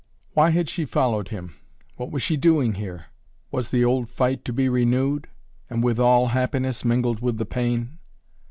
Why had she followed him? What was she doing here? Was the old fight to be renewed? And withal happiness mingled with the pain.